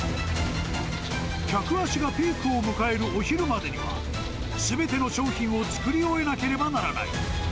客足がピークを迎えるお昼までには、すべての商品を作り終えなければならない。